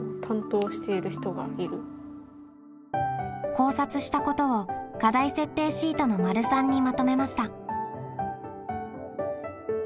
考察したことを課題設定シートの③にまとめました。